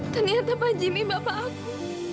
ternyata pak jimmy bapakku